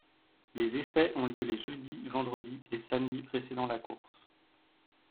Les essais ont lieu les jeudi, vendredi et samedi précédant la course.